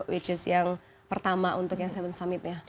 which is yang pertama untuk yang tujuh summit ya